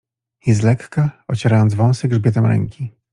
I z lekka, ocierając wąsy grzbietem ręki